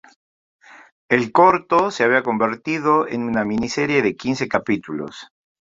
El corto se había convertido en una miniserie de quince capítulos.